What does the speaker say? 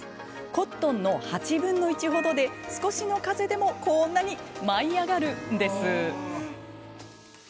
コットンの８分の１程で少しの風でもこんなに舞い上がるんです。